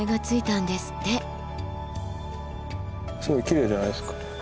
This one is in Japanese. すごいきれいじゃないですか。